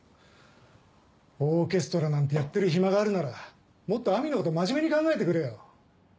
オーケストラなんてやってる暇があるならもっと亜美のこと真面目に考えてくれよ。